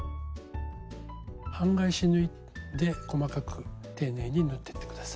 半返し縫いで細かく丁寧に縫ってって下さい。